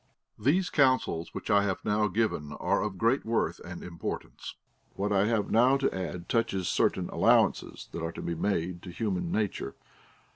These counsels Λvhich I have now given are of great worth and importance ; Avhat I have now to add touches certain allowances that are to be made to human nature.